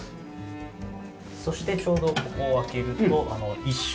そしてちょうどここを開けると一周できるように。